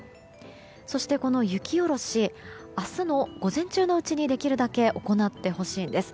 そしてこの雪下ろし明日の午前中のうちにできるだけ行ってほしいんです。